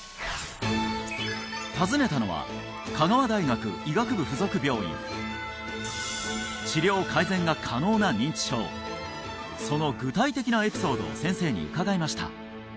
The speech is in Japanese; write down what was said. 訪ねたのは香川大学医学部附属病院治療改善が可能な認知症その具体的なエピソードを先生に伺いました